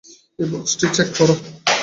এই বক্সটি চেক কর।